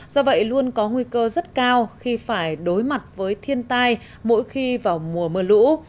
do vậy luôn có nguy cơ rất cao khi phải đối mặt với thiên tai mỗi khi vào mùa mưa lũ